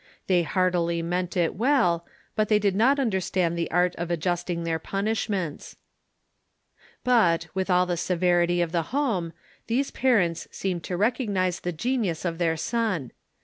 They heartily meant it well, but they did not understand the art of adjusting their punishments." But, with all the severity of the home, these parents seemed to recognize the genius of their son.